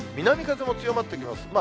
南風も強まってきます。